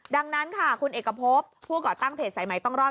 ดังนั้นค่ะคุณเอกพบผู้ก่อตั้งเพจสายใหม่ต้องรอด